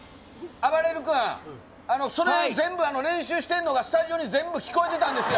あばれる君、全部練習してんのが、スタジオに全部聞こえてたんですよ。